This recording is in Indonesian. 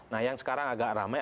nah yang sekarang agak ramai